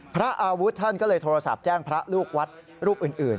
พระอาวุธท่านก็เลยโทรศัพท์แจ้งพระลูกวัดรูปอื่น